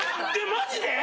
マジで！？